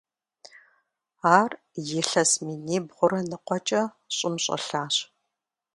Ар илъэс минибгъурэ ныкъуэкӀэ щӀым щӀэлъащ.